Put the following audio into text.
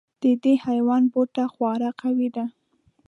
د دې حیوان بوټه خورا قوي دی.